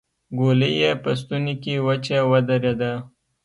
ګولۍ يې په ستونې کې وچه ودرېده.